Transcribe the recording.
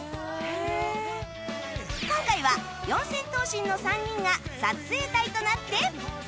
今回は四千頭身の３人が撮影隊となって